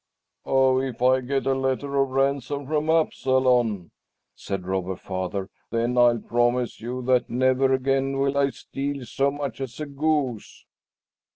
"Oh, if I get a letter of ransom from Absalon," said Robber Father, "then I'll promise you that never again will I steal so much as a goose."